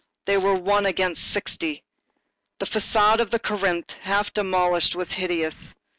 They were one against sixty. The façade of Corinthe, half demolished, was hideous.